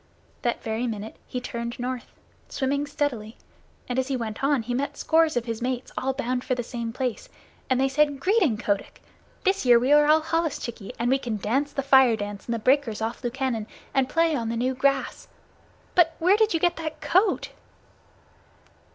That very minute he turned north, swimming steadily, and as he went on he met scores of his mates, all bound for the same place, and they said: "Greeting, Kotick! This year we are all holluschickie, and we can dance the Fire dance in the breakers off Lukannon and play on the new grass. But where did you get that coat?"